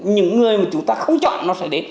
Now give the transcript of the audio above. những người mà chúng ta không chọn